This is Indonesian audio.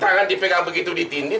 tangan di pegang begitu di tindih